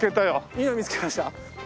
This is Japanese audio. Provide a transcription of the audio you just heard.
いいの見つけました？